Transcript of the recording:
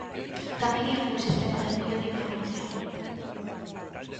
Tamén é un bo sistema de apoio de información.